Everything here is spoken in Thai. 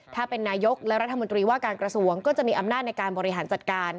ถ้าเป็นนายกและรัฐมนตรีว่าการกระทรวงก็จะมีอำนาจในการบริหารจัดการ